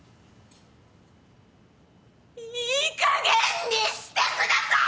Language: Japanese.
いいかげんにしてください！